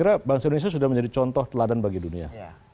saya kira bangsa indonesia sudah menjadi contoh teladan bagi dunia